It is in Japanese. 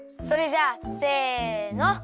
それじゃあせの。